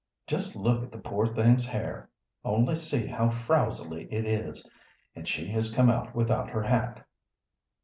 "Just look at the poor thing's hair. Only see how frowsly it is, and she has come out without her hat."